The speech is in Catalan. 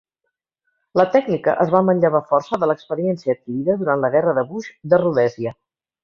La tècnica es va manllevar força de l'experiència adquirida durant la guerra de Bush de Rhodèsia.